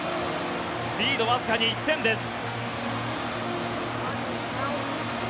リードわずかに１点です。